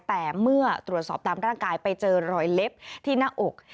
แต่เมื่อตรวจสอบตามร่างกายไปเจอรอยเล็บที่หน้าอก